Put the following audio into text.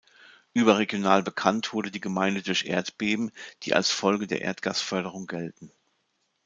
Überregional bekannt wurde die Gemeinde durch Erdbeben, die als Folge der Erdgasförderung gelten.